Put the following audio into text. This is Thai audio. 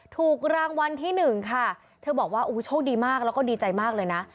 ถูกรางวัลที่หนึ่งค่ะเธอบอกว่าโอ้โหโชคดีมากแล้วก็ดีใจมากเลยนะ